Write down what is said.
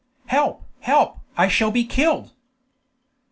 "Help, help! I shall be killed!"